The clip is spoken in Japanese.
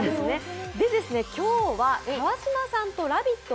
川島さんと「ラヴィット！」